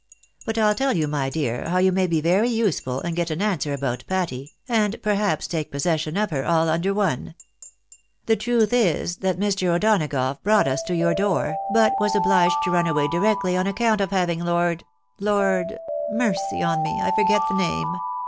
But I'U tell you, my dear, how you may be very useful and get an answer about Patty, and, per haps, take possession of her, all under one. The truth is, that Mr. O'Donagough brought us to your door, but was obhged to run away directly on account of having Lord — Lord — mercy on me !— I forget the name.